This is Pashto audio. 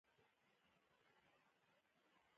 لارډ لیټن لیکي چې امیر شېر علي یوازې وحشي نه دی.